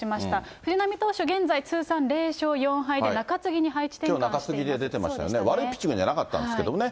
藤浪投手、現在、通算０勝４敗で、きょうも中継ぎで出てましたね、悪いピッチングじゃなかったんですけどね。